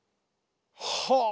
はあ！